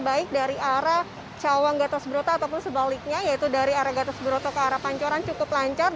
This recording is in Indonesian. baik dari arah cawang gatas berota ataupun sebaliknya yaitu dari arah gatas berota ke arah pancoran cukup lancar